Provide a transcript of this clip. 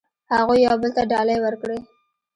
هغوی یو بل ته ډالۍ ورکړې.